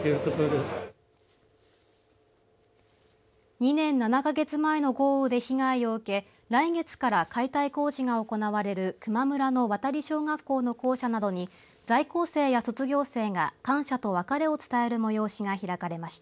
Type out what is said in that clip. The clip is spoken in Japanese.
２年７か月前の豪雨で被害を受け来月から解体工事が行われる球磨村の渡小学校の校舎などに在校生や卒業生が感謝と別れを伝える催しが開かれました。